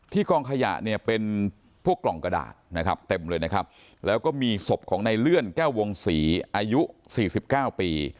ที่กองขยะเป็นพวกกล่องกระดาษเต็มเลยแล้วก็มีศพของในเลื่อนแก้ววงศรีอายุ๔๙ปี